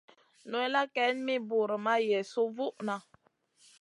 Nowella geyn mi buur ma yesu vuʼna.